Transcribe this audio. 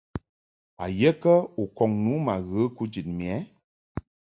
A ye kə u kɔŋ nu ma ghə kujid mɛ ɛ ?